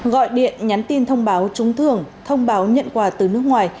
gọi điện nhắn tin thông báo trúng thưởng thông báo nhận quà từ nước ngoài